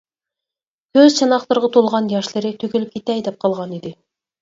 كۆز چاناقلىرىغا تولغان ياشلىرى تۆكۈلۈپ كېتەي دەپ قالغانىدى.